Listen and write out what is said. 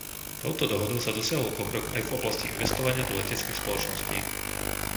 Touto dohodou sa dosiahol pokrok aj v oblasti investovania do leteckých spoločností.